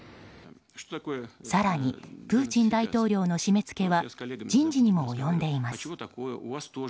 更にプーチン大統領の締め付けは人事にも及んでいます。